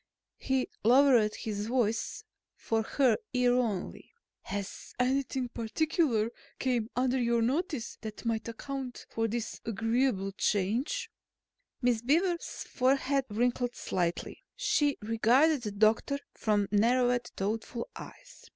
He lowered his voice for her ear only. "Has anything particular come under your notice that might account for this agreeable change?" Miss Beaver's forehead wrinkled slightly. She regarded the doctor from narrowed, thoughtful eyes.